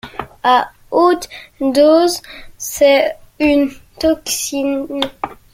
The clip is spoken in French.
À haute dose, c'est une toxine.